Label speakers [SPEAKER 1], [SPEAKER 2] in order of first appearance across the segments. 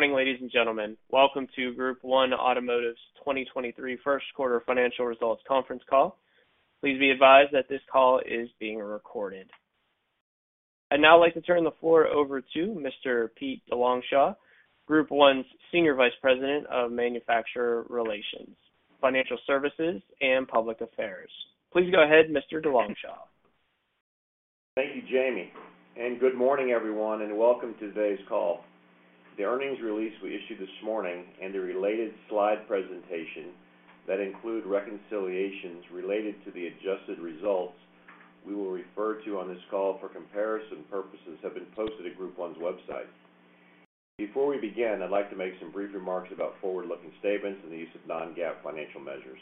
[SPEAKER 1] Good morning, ladies and gentlemen. Welcome to Group 1 Automotive's 2023 First Quarter Financial Results Conference Call. Please be advised that this call is being recorded. I'd now like to turn the floor over to Mr. Pete DeLongchamps, Group 1's Senior Vice President of Manufacturer Relations, Financial Services, and Public Affairs. Please go ahead, Mr. DeLongchamps.
[SPEAKER 2] Thank you, Jamie. Good morning, everyone, and welcome to today's call. The earnings release we issued this morning and the related slide presentation that include reconciliations related to the adjusted results we will refer to on this call for comparison purposes have been posted at Group 1's website. Before we begin, I'd like to make some brief remarks about forward-looking statements and the use of non-GAAP financial measures.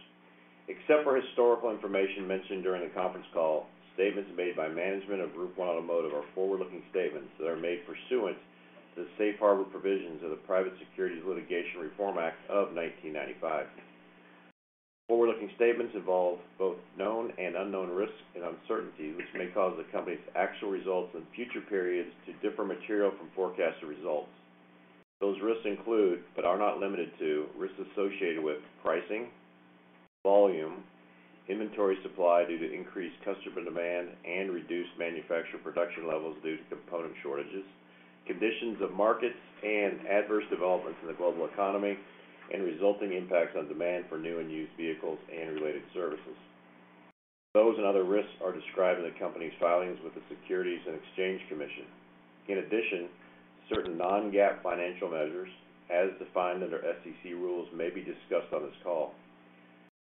[SPEAKER 2] Except for historical information mentioned during the conference call, statements made by management of Group 1 Automotive are forward-looking statements that are made pursuant to the safe harbor provisions of the Private Securities Litigation Reform Act of 1995. Forward-looking statements involve both known and unknown risks and uncertainties, which may cause the company's actual results in future periods to differ material from forecasted results. Those risks include, but are not limited to, risks associated with pricing, volume, inventory supply due to increased customer demand and reduced manufacturer production levels due to component shortages, conditions of markets and adverse developments in the global economy, and resulting impacts on demand for new and used vehicles and related services. Other risks are described in the company's filings with the Securities and Exchange Commission. In addition, certain non-GAAP financial measures, as defined under SEC rules, may be discussed on this call.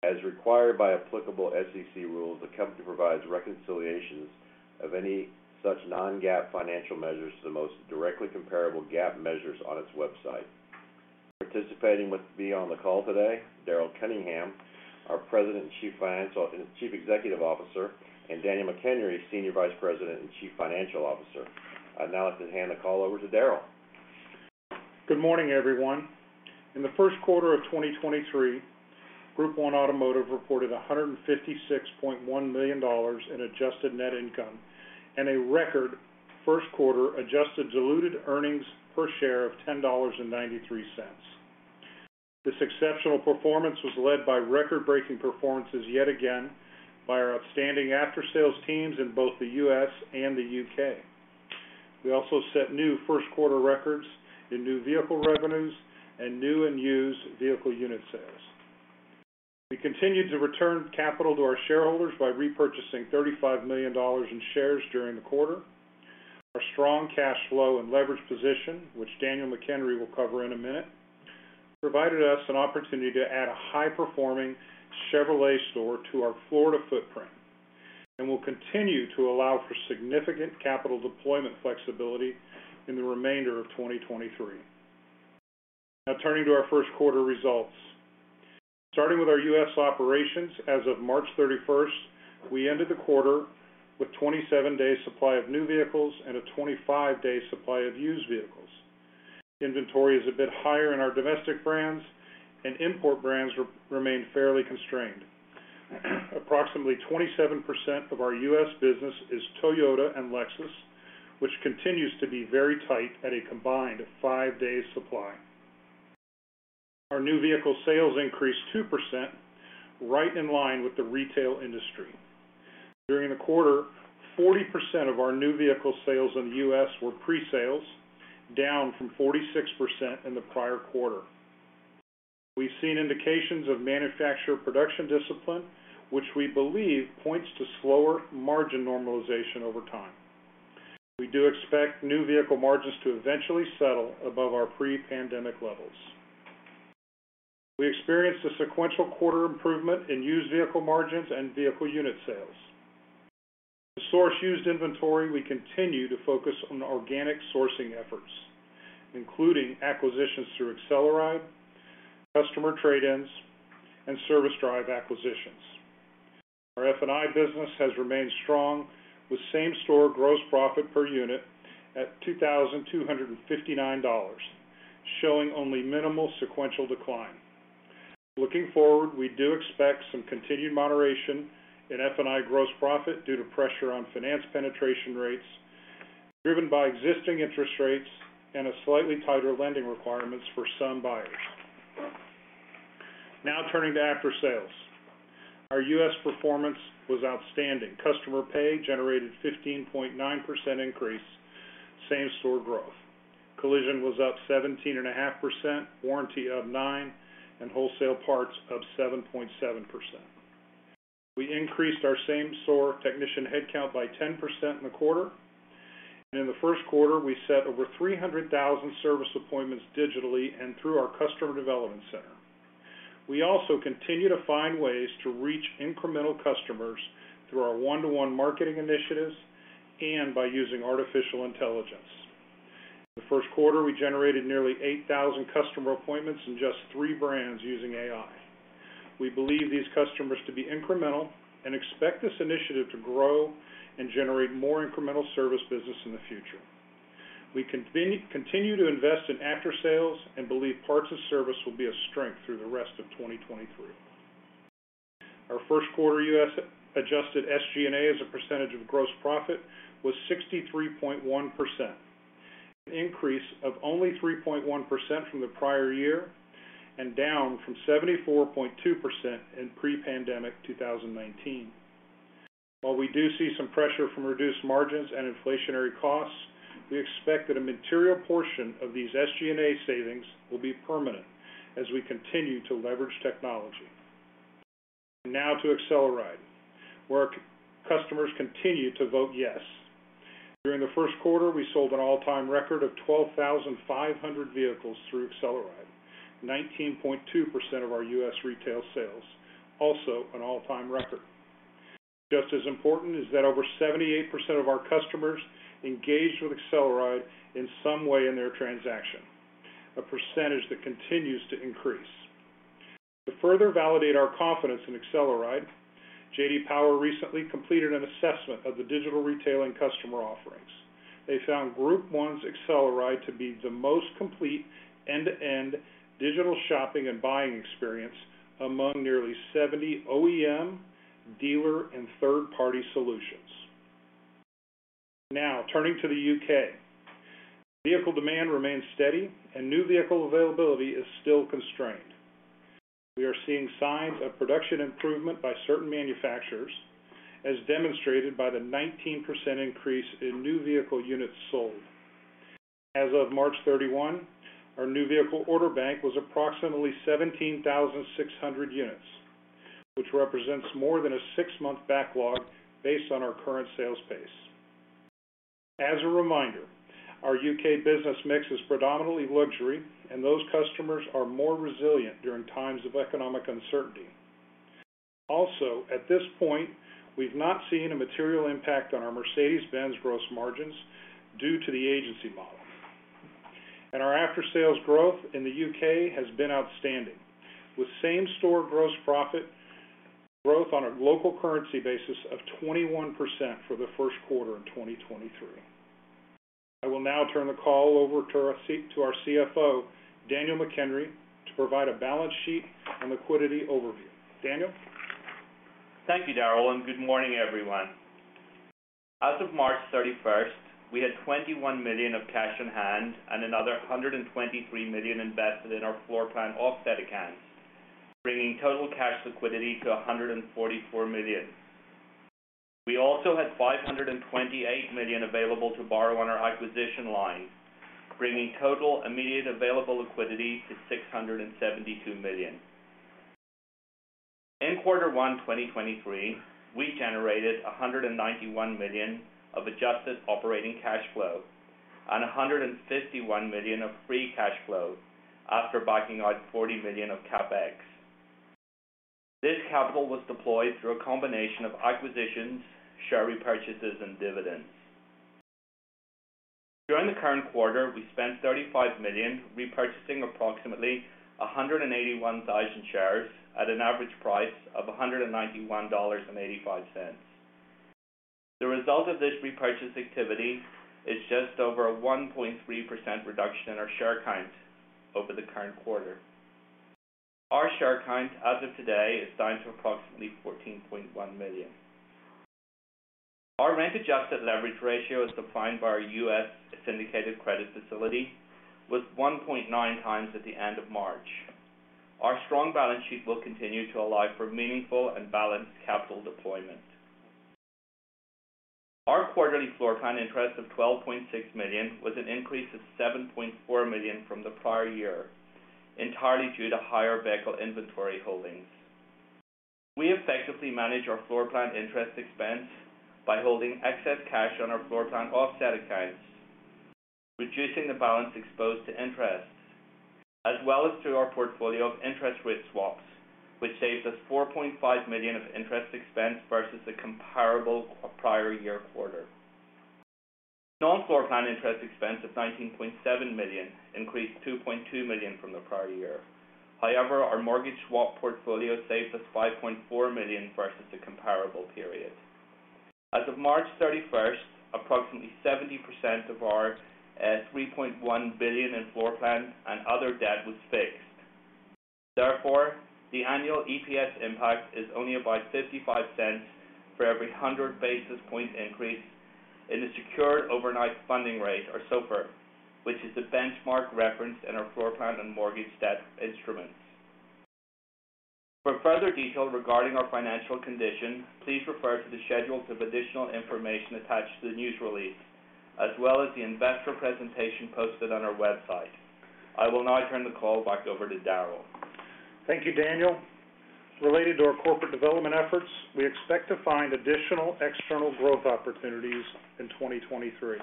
[SPEAKER 2] As required by applicable SEC rules, the company provides reconciliations of any such non-GAAP financial measures to the most directly comparable GAAP measures on its website. Participating with me on the call today, Daryl Kenningham, our President and Chief Executive Officer, and Daniel McHenry, Senior Vice President and Chief Financial Officer. I'd now like to hand the call over to Daryl.
[SPEAKER 3] Good morning, everyone. In the first quarter of 2023, Group 1 Automotive reported $156.1 million in adjusted net income and a record first quarter adjusted diluted earnings per share of $10.93. This exceptional performance was led by record-breaking performances yet again by our outstanding after-sales teams in both the U.S. and the U.K. We also set new first-quarter records in new vehicle revenues and new and used vehicle unit sales. We continued to return capital to our shareholders by repurchasing $35 million in shares during the quarter. Our strong cash flow and leverage position, which Daniel McHenry will cover in a minute, provided us an opportunity to add a high-performing Chevrolet store to our Florida footprint and will continue to allow for significant capital deployment flexibility in the remainder of 2023. Now turning to our first quarter results. Starting with our U.S. operations, as of March 31st, we ended the quarter with 27 days supply of new vehicles and a 25 days supply of used vehicles. Inventory is a bit higher in our domestic brands and import brands remain fairly constrained. Approximately 27% of our U.S. business is Toyota and Lexus, which continues to be very tight at a combined five days supply. Our new vehicle sales increased 2%, right in line with the retail industry. During the quarter, 40% of our new vehicle sales in the U.S. were presales, down from 46% in the prior quarter. We've seen indications of manufacturer production discipline, which we believe points to slower margin normalization over time. We do expect new vehicle margins to eventually settle above our pre-pandemic levels. We experienced a sequential quarter improvement in used vehicle margins and vehicle unit sales. To source used inventory, we continue to focus on organic sourcing efforts, including acquisitions through AcceleRide, customer trade-ins, and service drive acquisitions. Our F&I business has remained strong with same-store gross profit per unit at $2,259, showing only minimal sequential decline. Looking forward, we do expect some continued moderation in F&I gross profit due to pressure on finance penetration rates driven by existing interest rates and a slightly tighter lending requirements for some buyers. Turning to after sales. Our U.S. performance was outstanding. Customer pay generated 15.9% increase, same-store growth. Collision was up 17.5%, warranty up 9%, and wholesale parts up 7.7%. We increased our same-store technician headcount by 10% in the quarter. In the first quarter, we set over 300,000 service appointments digitally and through our Customer Development Center. We also continue to find ways to reach incremental customers through our one-to-one marketing initiatives and by using artificial intelligence. In the first quarter, we generated nearly 8,000 customer appointments in just three brands using AI. We believe these customers to be incremental and expect this initiative to grow and generate more incremental service business in the future. We continue to invest in after sales and believe parts of service will be a strength through the rest of 2023. Our first quarter U.S. adjusted SG&A as a percentage of gross profit was 63.1%, an increase of only 3.1% from the prior year and down from 74.2% in pre-pandemic 2019. While we do see some pressure from reduced margins and inflationary costs, we expect that a material portion of these SG&A savings will be permanent as we continue to leverage technology. Now to AcceleRide, where our customers continue to vote yes. During the first quarter, we sold an all-time record of 12,500 vehicles through AcceleRide, 19.2% of our U.S. retail sales, also an all-time record. Just as important is that over 78% of our customers engaged with AcceleRide in some way in their transaction, a percentage that continues to increase. To further validate our confidence in AcceleRide, J.D. Power recently completed an assessment of the digital retailing customer offerings. They found Group 1's AcceleRide to be the most complete end-to-end digital shopping and buying experience among nearly 70 OEM dealer and third-party solutions. Now turning to the U.K. Vehicle demand remains steady and new vehicle availability is still constrained. We are seeing signs of production improvement by certain manufacturers, as demonstrated by the 19% increase in new vehicle units sold. As of March 31, our new vehicle order bank was approximately 17,600 units, which represents more than a six-month backlog based on our current sales pace. As a reminder, our U.K. business mix is predominantly luxury, and those customers are more resilient during times of economic uncertainty. At this point, we've not seen a material impact on our Mercedes-Benz gross margins due to the agency model. Our after-sales growth in the U.K. has been outstanding, with same-store gross profit growth on a local currency basis of 21% for the first quarter in 2023. I will now turn the call over to our CFO, Daniel McHenry, to provide a balance sheet and liquidity overview. Daniel?
[SPEAKER 4] Thank you, Daryl. Good morning, everyone. As of March 31st, we had $21 million of cash on hand and another $123 million invested in our floor plan offset accounts, bringing total cash liquidity to $144 million. We also had $528 million available to borrow on our acquisition line, bringing total immediate available liquidity to $672 million. In Q1 2023, we generated $191 million of adjusted operating cash flow and $151 million of free cash flow after backing out $40 million of CapEx. This capital was deployed through a combination of acquisitions, share repurchases, and dividends. During the current quarter, we spent $35 million repurchasing approximately 181,000 shares at an average price of $191.85. The result of this repurchase activity is just over a 1.3% reduction in our share count over the current quarter. Our share count as of today is down to approximately $14.1 million. Our rent-adjusted leverage ratio, as defined by our U.S. syndicated credit facility, was 1.9 times at the end of March. Our strong balance sheet will continue to allow for meaningful and balanced capital deployment. Our quarterly floor plan interest of $12.6 million was an increase of $7.4 million from the prior year, entirely due to higher vehicle inventory holdings. We effectively manage our floor plan interest expense by holding excess cash on our floor plan offset accounts, reducing the balance exposed to interest, as well as through our portfolio of interest rate swaps, which saves us $4.5 million of interest expense versus the comparable prior year quarter. Non-floor plan interest expense of $19.7 million increased $2.2 million from the prior year. However, our mortgage swap portfolio saved us $5.4 million versus the comparable period. As of March 31st, approximately 70% of our $3.1 billion in floor plan and other debt was fixed. Therefore, the annual EPS impact is only about $0.55 for every 100 basis point increase in the secured overnight funding rate, or SOFR, which is the benchmark reference in our floor plan and mortgage debt instruments. For further detail regarding our financial condition, please refer to the schedules of additional information attached to the news release, as well as the investor presentation posted on our website. I will now turn the call back over to Daryl.
[SPEAKER 3] Thank you, Daniel. Related to our corporate development efforts, we expect to find additional external growth opportunities in 2023.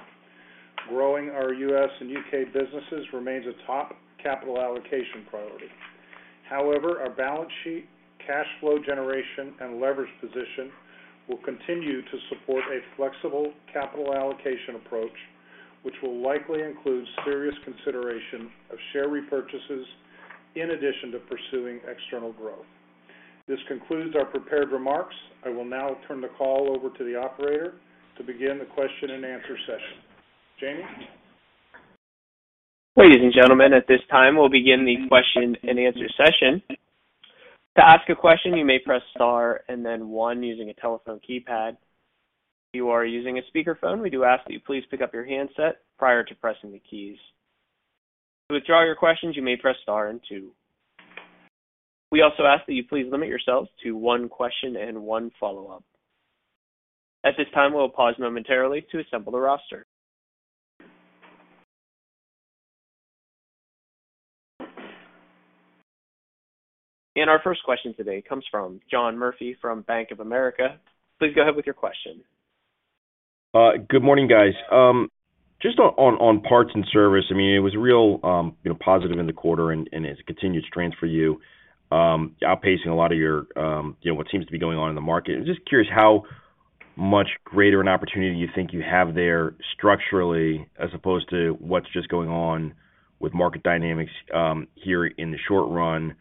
[SPEAKER 3] Growing our U.S. and U.K. businesses remains a top capital allocation priority. However, our balance sheet, cash flow generation, and leverage position will continue to support a flexible capital allocation approach, which will likely include serious consideration of share repurchases in addition to pursuing external growth. This concludes our prepared remarks. I will now turn the call over to the operator to begin the question and answer session. Jamie?
[SPEAKER 1] Ladies and gentlemen, at this time, we'll begin the question-and-answer session. To ask a question, you may press star and then one using a telephone keypad. If you are using a speakerphone, we do ask that you please pick up your handset prior to pressing the keys. To withdraw your questions, you may press star and two. We also ask that you please limit yourselves to one question and one follow-up. At this time, we'll pause momentarily to assemble the roster. Our first question today comes from John Murphy from Bank of America. Please go ahead with your question.
[SPEAKER 5] Good morning, guys. Just on parts and service, I mean, it was real, you know, positive in the quarter and as a continued strength for you, outpacing a lot of your, you know, what seems to be going on in the market. I'm just curious how much greater an opportunity you think you have there structurally, as opposed to what's just going on with market dynamics, here in the short run.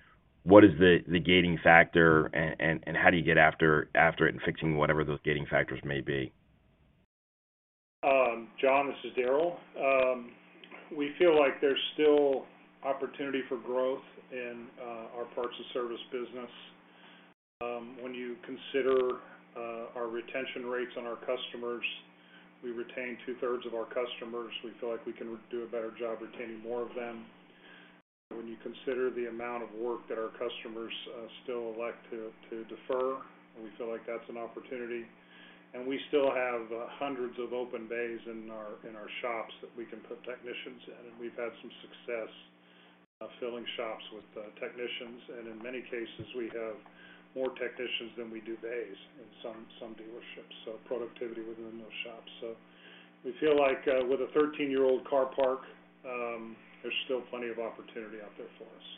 [SPEAKER 5] What is the gating factor and how do you get after it and fixing whatever those gating factors may be?
[SPEAKER 3] John, this is Daryl. We feel like there's still opportunity for growth in our parts and service business. When you consider our retention rates on our customers, we retain 2/3 of our customers. We feel like we can do a better job retaining more of them. When you consider the amount of work that our customers still elect to defer, and we feel like that's an opportunity. We still have hundreds of open bays in our shops that we can put technicians in. We've had some success filling shops with technicians, and in many cases, we have more technicians than we do bays in some dealerships, so productivity within those shops. We feel like with a 13-year-old car park, there's still plenty of opportunity out there for us.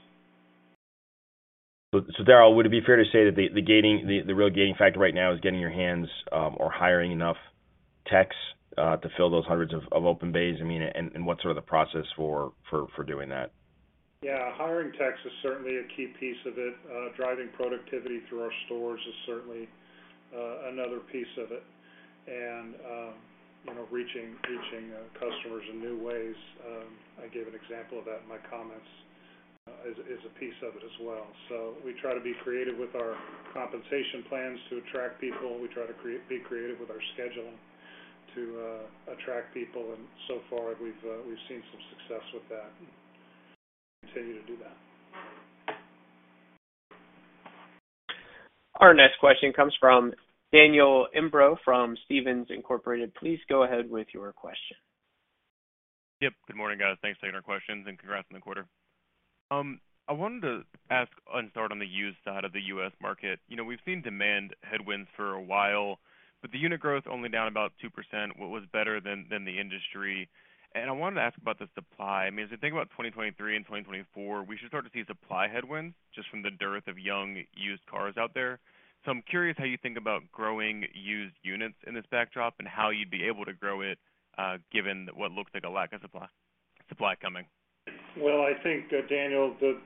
[SPEAKER 5] Daryl, would it be fair to say that the gating, the real gating factor right now is getting your hands, or hiring enough techs, to fill those hundreds of open bays? I mean, and what's sort of the process for doing that?
[SPEAKER 3] Yeah. Hiring techs is certainly a key piece of it. Driving productivity through our stores is certainly another piece of it. You know, reaching customers in new ways, I gave an example of that in my comments, is a piece of it as well. We try to be creative with our compensation plans to attract people. We try to be creative with our scheduling to attract people, and so far we've seen some success with that, and we'll continue to do that.
[SPEAKER 1] Our next question comes from Daniel Imbro from Stephens Inc. Please go ahead with your question.
[SPEAKER 6] Yep. Good morning, guys. Thanks for taking our questions, congrats on the quarter. I wanted to start on the used side of the U.S. market. You know, we've seen demand headwinds for a while, but the unit growth only down about 2%, what was better than the industry. I wanted to ask about the supply. I mean, as we think about 2023 and 2024, we should start to see supply headwinds just from the dearth of young used cars out there. I'm curious how you think about growing used units in this backdrop and how you'd be able to grow it given what looks like a lack of supply coming.
[SPEAKER 3] Well, I think Daniel, the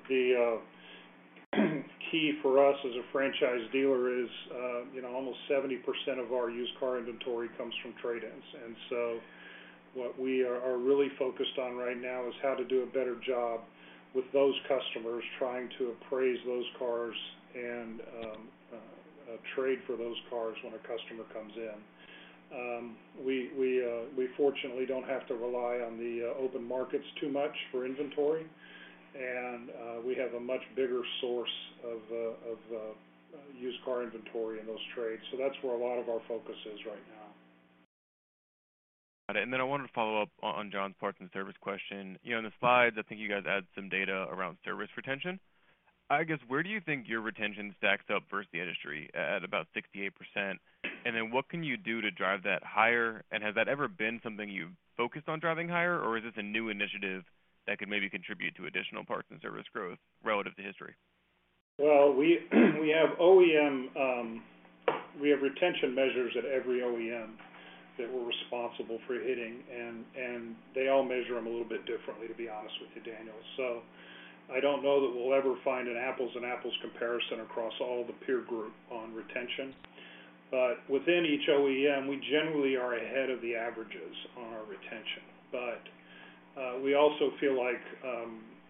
[SPEAKER 3] key for us as a franchise dealer is, you know, almost 70% of our used car inventory comes from trade-ins. What we are really focused on right now is how to do a better job with those customers trying to appraise those cars and trade for those cars when a customer comes in. We fortunately don't have to rely on the open markets too much for inventory. We have a much bigger source of used car inventory in those trades. That's where a lot of our focus is right now.
[SPEAKER 6] Got it. I wanted to follow up on John's parts and service question. You know, in the slides, I think you guys add some data around service retention. I guess, where do you think your retention stacks up versus the industry at about 68%? What can you do to drive that higher? Has that ever been something you've focused on driving higher, or is this a new initiative that could maybe contribute to additional parts and service growth relative to history?
[SPEAKER 3] Well, we have OEM. We have retention measures at every OEM that we're responsible for hitting, and they all measure them a little bit differently, to be honest with you, Daniel. I don't know that we'll ever find an apples and apples comparison across all the peer group on retention. Within each OEM, we generally are ahead of the averages on our retention. We also feel like,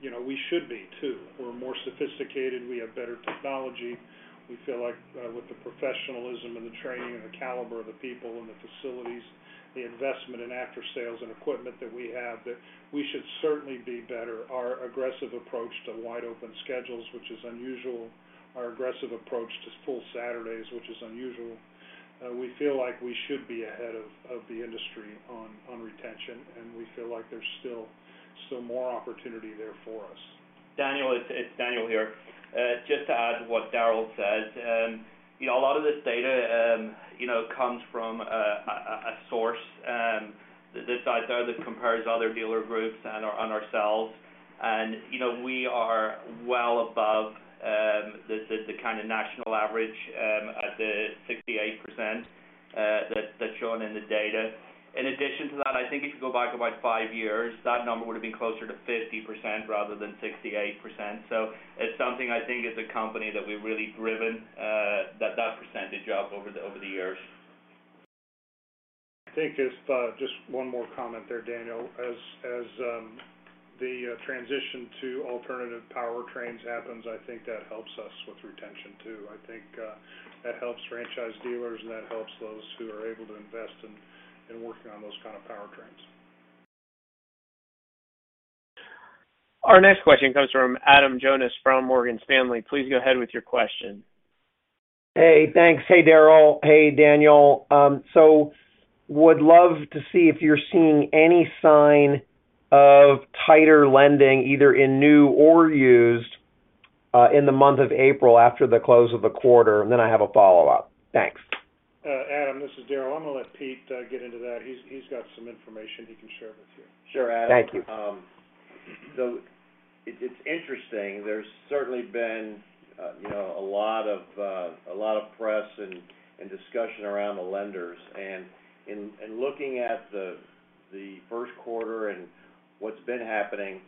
[SPEAKER 3] you know, we should be too. We're more sophisticated. We have better technology. We feel like, with the professionalism and the training and the caliber of the people and the facilities, the investment in after sales and equipment that we have, that we should certainly be better. Our aggressive approach to wide open schedules, which is unusual, our aggressive approach to full Saturdays, which is unusual, we feel like we should be ahead of the industry on retention, and we feel like there's still more opportunity there for us.
[SPEAKER 4] Daniel, it's Daniel here. Just to add to what Daryl said, you know, a lot of this data, you know, comes from a source this size though that compares other dealer groups on ourselves. You know, we are well above the kind of national average at the 68% that's shown in the data. In addition to that, I think if you go back about five years, that number would have been closer to 50% rather than 68%. It's something I think as a company that we've really driven that percentage up over the over the years.
[SPEAKER 3] I think it's, just one more comment there, Daniel. As the transition to alternative powertrains happens, I think that helps us with retention too. I think that helps franchise dealers and that helps those who are able to invest in working on those kind of powertrains.
[SPEAKER 1] Our next question comes from Adam Jonas from Morgan Stanley. Please go ahead with your question.
[SPEAKER 7] Hey, thanks. Hey, Daryl. Hey, Daniel. Would love to see if you're seeing any sign of tighter lending either in new or used, in the month of April after the close of the quarter, and then I have a follow-up. Thanks.
[SPEAKER 3] Adam, this is Daryl. I'm gonna let Pete get into that. He's got some information he can share with you.
[SPEAKER 2] Sure, Adam.
[SPEAKER 7] Thank you.
[SPEAKER 2] It's interesting. There's certainly been, you know, a lot of press and discussion around the lenders. In looking at the first quarter and what's been happening,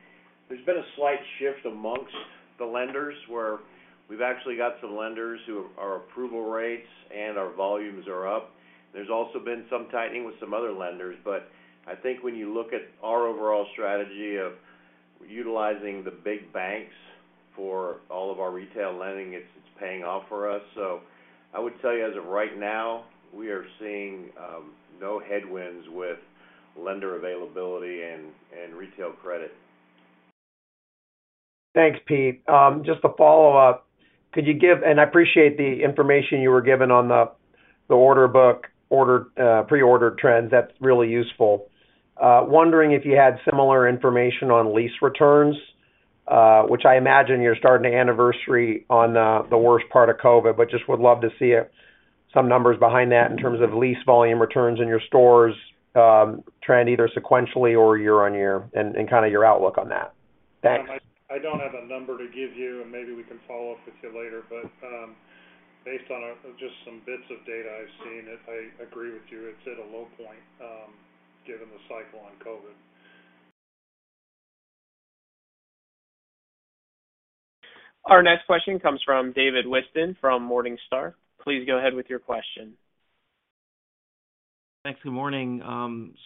[SPEAKER 2] there's been a slight shift amongst the lenders where we've actually got some lenders who our approval rates and our volumes are up. There's also been some tightening with some other lenders. I think when you look at our overall strategy of utilizing the big banks for all of our retail lending, it's paying off for us. I would tell you as of right now, we are seeing no headwinds with lender availability and retail credit.
[SPEAKER 7] Thanks, Pete. Just a follow-up. I appreciate the information you were given on the order book ordered, pre-order trends. That's really useful. Wondering if you had similar information on lease returns, which I imagine you're starting to anniversary on the worst part of COVID, but just would love to see some numbers behind that in terms of lease volume returns in your stores, trend either sequentially or year-on-year and kinda your outlook on that? Thanks.
[SPEAKER 3] Adam, I don't have a number to give you, and maybe we can follow up with you later. Based on just some bits of data I've seen, I agree with you. It's at a low point, given the cycle on COVID.
[SPEAKER 1] Our next question comes from David Whiston from Morningstar. Please go ahead with your question.
[SPEAKER 8] Thanks. Good morning.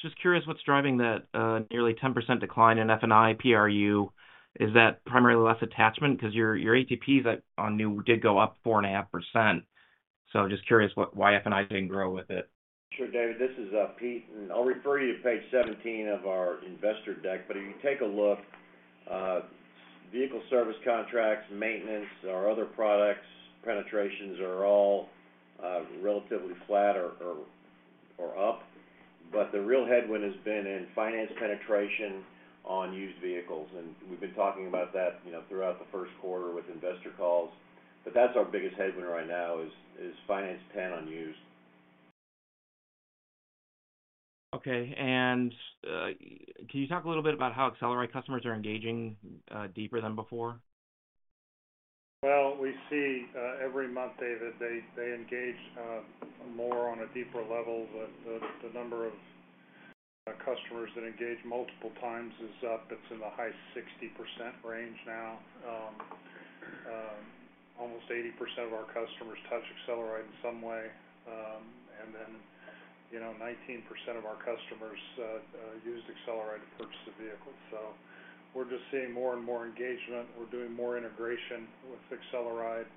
[SPEAKER 8] Just curious what's driving that nearly 10% decline in F&I PRU. Is that primarily less attachment? 'Cause your ATPs on new did go up 4.5%. Just curious why F&I didn't grow with it.
[SPEAKER 2] Sure, David. This is Pete, and I'll refer you to page 17 of our investor deck. If you take a look, vehicle service contracts, maintenance, our other products, penetrations are all relatively flat or up. The real headwind has been in finance penetration on used vehicles, and we've been talking about that, you know, throughout the first quarter with investor calls. That's our biggest headwind right now is finance pen on used.
[SPEAKER 8] Okay. Can you talk a little bit about how AcceleRide customers are engaging, deeper than before?
[SPEAKER 3] Well, we see, every month, David, they engage more on a deeper level. The number of customers that engage multiple times is up. It's in the high 60% range now. Almost 80% of our customers touch AcceleRide in some way. And then, you know, 19% of our customers used AcceleRide to purchase the vehicle. We're just seeing more and more engagement. We're doing more integration with AcceleRide,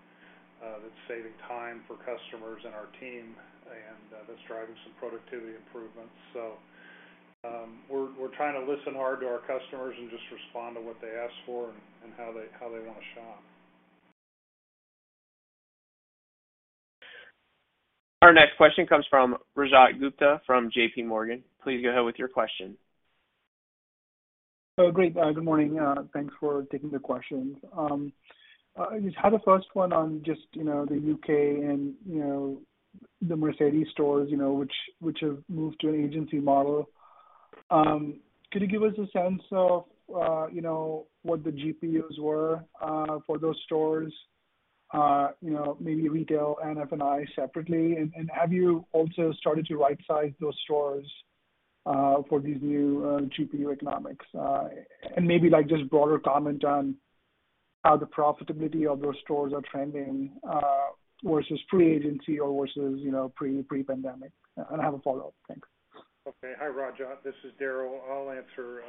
[SPEAKER 3] that's saving time for customers and our team, and that's driving some productivity improvements. We're trying to listen hard to our customers and just respond to what they ask for and how they wanna shop.
[SPEAKER 1] Our next question comes from Rajat Gupta from J.P. Morgan. Please go ahead with your question.
[SPEAKER 9] Great. Good morning. Thanks for taking the questions. Just had the first one on just, you know, the U.K. and, you know, the Mercedes stores, you know, which have moved to an agency model. Could you give us a sense of, you know, what the GPUs were for those stores? You know, maybe retail and F&I separately. Have you also started to right-size those stores for these new GPU economics? Maybe like just broader comment on how the profitability of those stores are trending versus pre-agency or versus, you know, pre-pandemic. I have a follow-up. Thanks.
[SPEAKER 3] Okay. Hi, Rajat. This is Daryl. I'll answer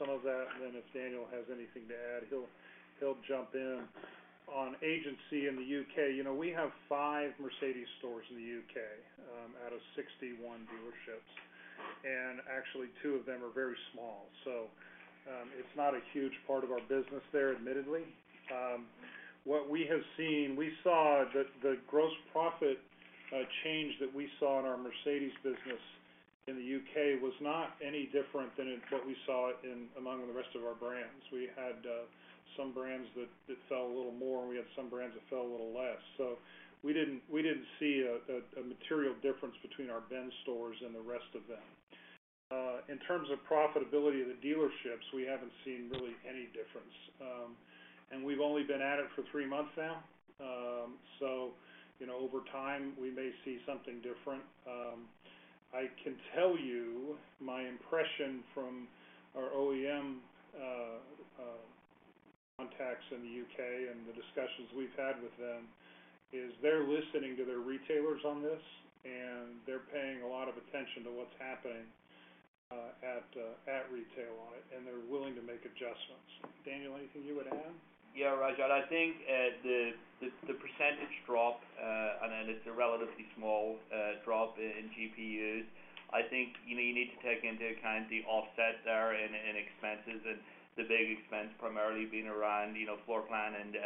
[SPEAKER 3] some of that. If Daniel has anything to add, he'll jump in. On agency in the U.K., you know, we have five Mercedes stores in the U.K. out of 61 dealerships, and actually two of them are very small. It's not a huge part of our business there, admittedly. What we have seen, we saw that the gross profit change that we saw in our Mercedes business in the U.K. was not any different than in what we saw in among the rest of our brands. We had some brands that fell a little more, and we had some brands that fell a little less. We didn't see a material difference between our Benz stores and the rest of them. In terms of profitability of the dealerships, we haven't seen really any difference. We've only been at it for three months now. You know, over time, we may see something different. I can tell you my impression from our OEM Contacts in the U.K. and the discussions we've had with them is they're listening to their retailers on this, and they're paying a lot of attention to what's happening at retail on it, and they're willing to make adjustments. Daniel, anything you would add?
[SPEAKER 4] Yeah, Rajat, I think the % drop, and then it's a relatively small drop in GPUs. I think, you know, you need to take into account the offset there and expenses and the big expense primarily being around, you know, floor plan and,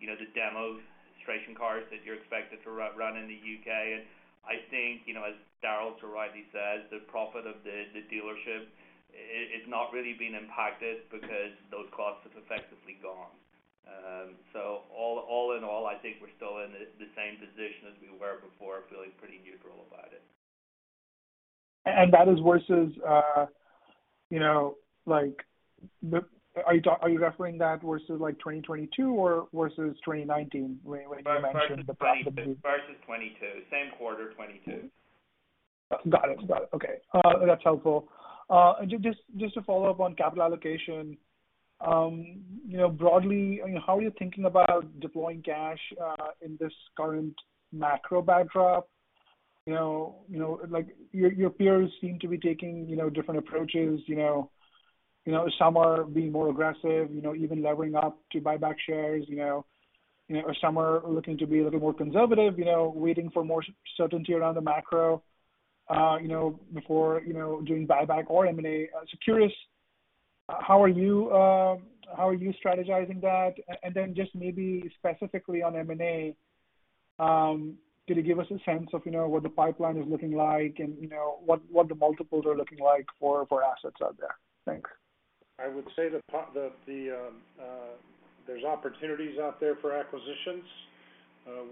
[SPEAKER 4] you know, the demos, registration cards that you're expected to run in the U.K. I think, you know, as Daryl so rightly said, the profit of the dealership is not really being impacted because those costs have effectively gone. All in all, I think we're still in the same position as we were before, feeling pretty neutral about it.
[SPEAKER 9] That is versus, you know, Are you referring that versus like 2022 or versus 2019 when you mentioned the possibility?
[SPEAKER 4] Versus 22. Same quarter, 22.
[SPEAKER 9] Got it. Got it. Okay. That's helpful. Just to follow up on capital allocation, you know, broadly, you know, how are you thinking about deploying cash in this current macro backdrop? You know, like your peers seem to be taking, you know, different approaches, you know. Some are being more aggressive, you know, even levering up to buy back shares, you know. Some are looking to be a little more conservative, you know, waiting for more certainty around the macro, you know, before doing buyback or M&A. Curious, how are you, how are you strategizing that? Just maybe specifically on M&A, can you give us a sense of, you know, what the pipeline is looking like and, you know, what the multiples are looking like for assets out there? Thanks.
[SPEAKER 3] I would say the there's opportunities out there for acquisitions.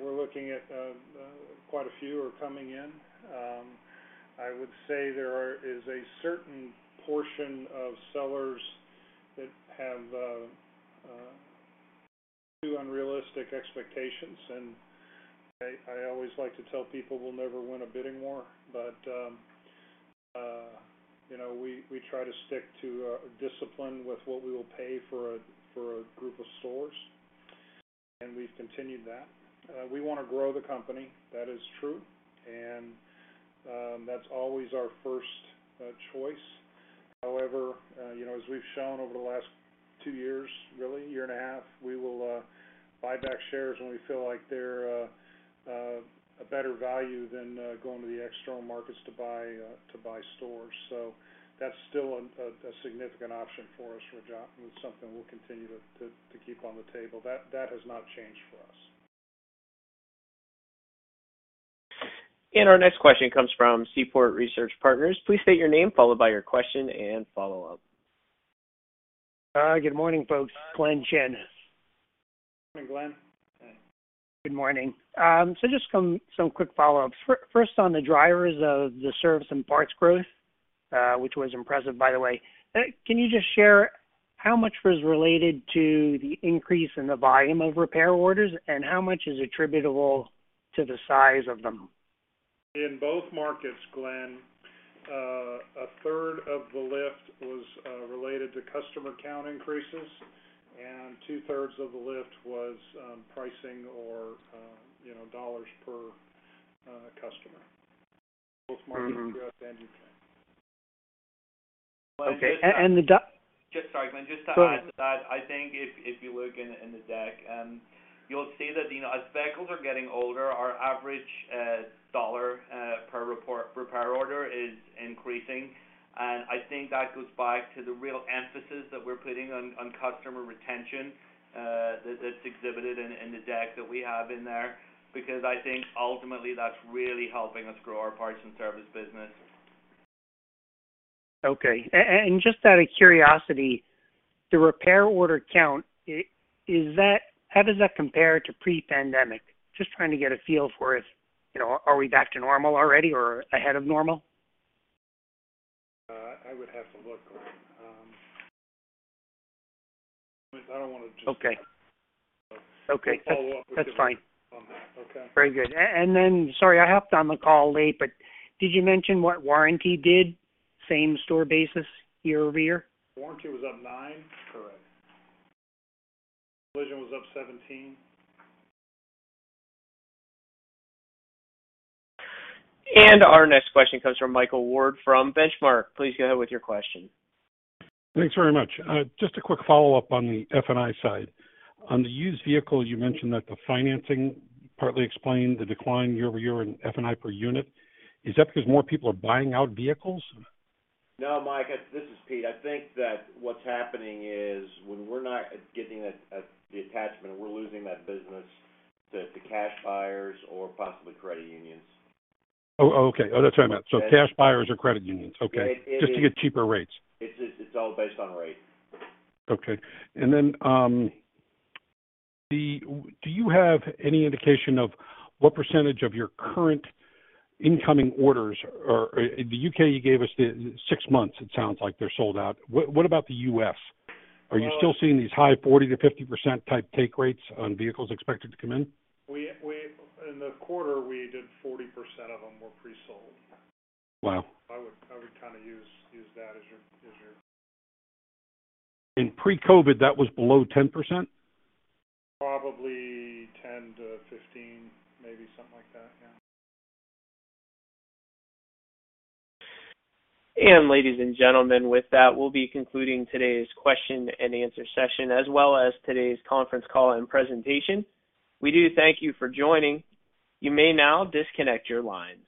[SPEAKER 3] We're looking at quite a few are coming in. I would say there is a certain portion of sellers that have too unrealistic expectations. I always like to tell people we'll never win a bidding war. You know, we try to stick to discipline with what we will pay for a group of stores, and we've continued that. We wanna grow the company. That is true. That's always our first choice. You know, as we've shown over the last two years, really year and a half, we will buy back shares when we feel like they're a better value than going to the external markets to buy stores. That's still a significant option for us, Rajat. It's something we'll continue to keep on the table. That has not changed for us.
[SPEAKER 1] Our next question comes from Seaport Research Partners. Please state your name, followed by your question and follow-up.
[SPEAKER 10] Good morning, folks. Glenn Chin.
[SPEAKER 3] Morning, Glenn.
[SPEAKER 10] Good morning. Just some quick follow-ups. First, on the drivers of the service and parts growth, which was impressive, by the way. Can you just share how much was related to the increase in the volume of repair orders and how much is attributable to the size of them?
[SPEAKER 3] In both markets, Glenn, 1/3 of the lift was related to customer count increases, and 2/3 of the lift was pricing or, you know, dollars per customer.
[SPEAKER 10] Mm-hmm.
[SPEAKER 3] Both markets growth and U.K.
[SPEAKER 2] Well.
[SPEAKER 10] Okay.
[SPEAKER 2] Just, sorry, Glenn. Just to add to that.
[SPEAKER 10] Go ahead.
[SPEAKER 2] I think if you look in the deck, you'll see that, you know, as vehicles are getting older, our average dollar per repair order is increasing. I think that goes back to the real emphasis that we're putting on customer retention, that's exhibited in the deck that we have in there, because I think ultimately that's really helping us grow our parts and service business.
[SPEAKER 10] Okay. Just out of curiosity, the repair order count, how does that compare to pre-pandemic? Just trying to get a feel for if, you know, are we back to normal already or ahead of normal?
[SPEAKER 3] I would have to look, Glenn. I don't wanna...
[SPEAKER 10] Okay.
[SPEAKER 3] We'll follow up with you.
[SPEAKER 10] That's fine.
[SPEAKER 3] On that. Okay.
[SPEAKER 10] Very good. Then sorry, I hopped on the call late, did you mention what warranty did same-store basis year-over-year?
[SPEAKER 3] Warranty was up 9%.
[SPEAKER 2] Correct.
[SPEAKER 3] Collision was up 17%.
[SPEAKER 1] Our next question comes from Michael Ward from Benchmark. Please go ahead with your question.
[SPEAKER 11] Thanks very much. Just a quick follow-up on the F&I side. On the used vehicles, you mentioned that the financing partly explained the decline year-over-year in F&I per unit. Is that because more people are buying out vehicles?
[SPEAKER 2] No, Mike, this is Pete. I think that what's happening is when we're not getting that, the attachment, we're losing that business to cash buyers or possibly credit unions.
[SPEAKER 11] Okay. That's what I meant. Cash buyers or credit unions. Okay.
[SPEAKER 2] It is-
[SPEAKER 11] Just to get cheaper rates.
[SPEAKER 2] It's all based on rate.
[SPEAKER 11] Okay. Do you have any indication of what % of your current incoming orders or... In the U.K., you gave us the six months, it sounds like they're sold out. What about the U.S.?
[SPEAKER 3] Well-
[SPEAKER 11] Are you still seeing these high 40%-50% type take rates on vehicles expected to come in?
[SPEAKER 3] In the quarter, we did 40% of them were pre-sold.
[SPEAKER 11] Wow.
[SPEAKER 3] I would kind of use that as your.
[SPEAKER 11] In pre-COVID, that was below 10%?
[SPEAKER 3] Probably 10-15, maybe something like that. Yeah.
[SPEAKER 1] Ladies and gentlemen, with that, we'll be concluding today's question and answer session, as well as today's conference call and presentation. We do thank you for joining. You may now disconnect your lines.